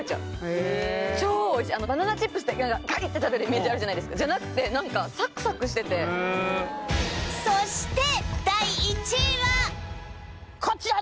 超おいしいバナナチップスってガリって食べるイメージあるじゃないですかじゃなくて何かサクサクしててへえそしてこちら！